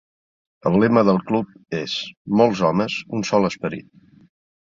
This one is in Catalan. El lema del cub és "molts homes, un sol esperit".